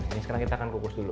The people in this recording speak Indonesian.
ini sekarang kita akan kukus dulu